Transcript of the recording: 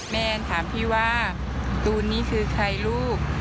แม่ถามพี่ว่าตูนนี่คือใครลูก